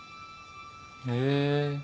へえ。